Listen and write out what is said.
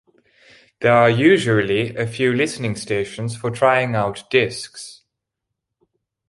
There are usually a few listening stations for trying out discs.